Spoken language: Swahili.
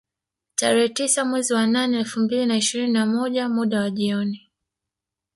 Tarehe tisa mwezi wa nane elfu mbili na ishirini na moja muda wa jioni